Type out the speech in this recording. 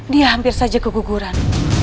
dia hampir saja keguguran